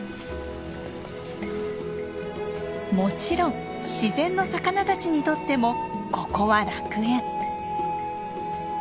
もちろん自然の魚たちにとってもここは楽園。